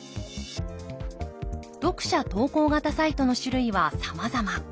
読者投稿型サイトの種類はさまざま。